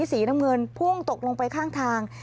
สีน้ำเงินพุ่งตกลงไปข้างทาง